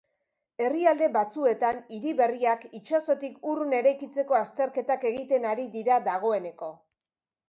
Herrialde batzuetan hiri berriak itsasotik urrun eraikitzeko azterketak egiten ari dira dagoeneko.